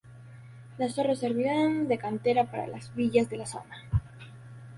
Las torres servirán de cantera para las villas de la zona.